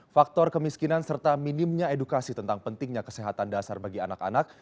faktor kemiskinan serta minimnya edukasi tentang pentingnya kesehatan dasar bagi anak anak